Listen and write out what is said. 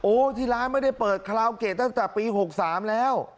ที่ร้านไม่ได้เปิดคลาวเกดตั้งแต่ปี๖๓แล้ว